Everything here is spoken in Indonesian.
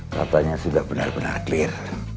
katanya sudah benar benar clear